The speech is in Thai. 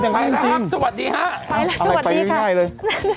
สวัสดีค่ะไปแล้วสวัสดีค่ะอะไรไปง่ายเลย